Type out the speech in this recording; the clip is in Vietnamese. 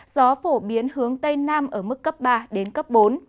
gió phổ biến hướng tây nam ở mức cấp ba bốn